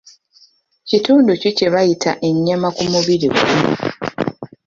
Kitundu ki kye bayita ennyanama ku mubiri gwo?